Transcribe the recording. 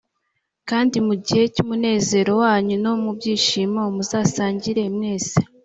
kandi mu gihe cy’umunezero wanyu no mu byishimo muzasangire mwese.